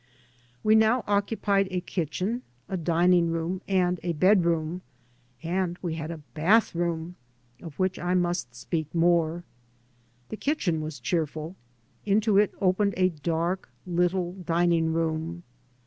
We now occupied a kitchen, a dining room, and a bedroom, and we had a bath room, of which I must speak more. The kitchen was cheerful. Into it opened a dark little dining room.